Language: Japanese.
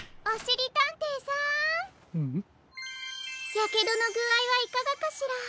やけどのぐあいはいかがかしら？